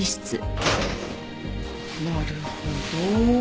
なるほど。